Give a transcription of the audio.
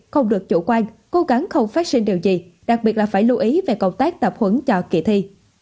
không được chủ quan cố gắng không phát sinh điều gì đặc biệt là phải lưu ý về công tác tập huấn cho kỳ thi